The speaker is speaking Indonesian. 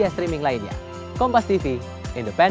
oke pak cukup pak